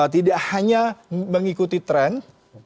tidak hanya mengikuti trend